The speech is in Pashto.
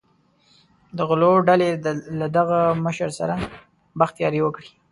د غلو ډلې له دغه مشر سره بخت یاري وکړي.